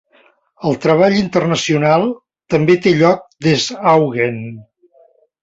El treball internacional també té lloc des Auggen.